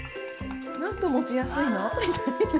なんと持ちやすいの！みたいな。